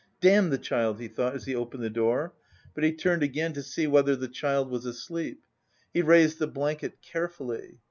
"Damn the child!" he thought as he opened the door, but he turned again to see whether the child was asleep. He raised the blanket carefully.